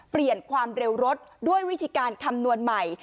เปลี่ยนความเร็วรถด้วยวิธีการคำนวณใหม่